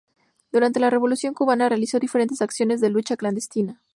Durante la Revolución cubana, realizó diferentes acciones de lucha clandestina.